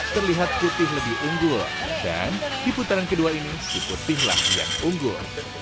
terlihat putih lebih unggul dan di putaran kedua ini si putihlah yang unggul